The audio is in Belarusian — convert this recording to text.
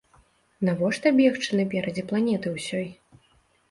Навошта бегчы наперадзе планеты ўсёй?